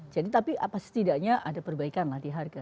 jadi tapi apa setidaknya ada perbaikan lah di harga